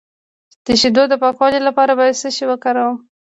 د شیدو د پاکوالي لپاره باید څه شی وکاروم؟